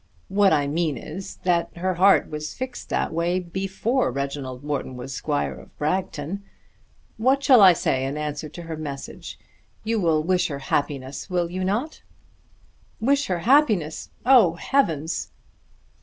"What I mean is that her heart was fixed that way before Reginald Morton was squire of Bragton. What shall I say in answer to her message? You will wish her happiness; will you not?" "Wish her happiness! Oh, heavens!"